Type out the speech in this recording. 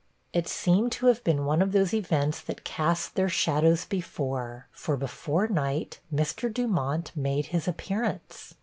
It seemed to have been one of those 'events that cast their shadows before'; for, before night, Mr. Dumont made his appearance.